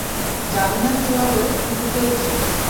জানিনা কিভাবে, কিন্তু পেরেছিস।